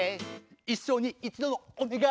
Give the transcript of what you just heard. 一生に一度のお願い！